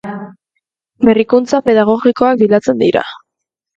Berrikuntza Pedagogikoak bilatzen dira.